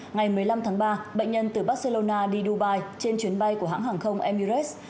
ngày một mươi năm tháng ba bệnh nhân từ barcelona đi dubai trên chuyến bay của hãng hàng không emirates